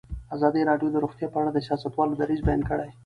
ازادي راډیو د روغتیا په اړه د سیاستوالو دریځ بیان کړی.